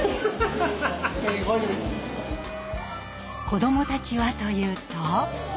子どもたちはというと。